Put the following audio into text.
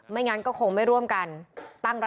ไม่งั้นก็คงไม่ร่วมกัน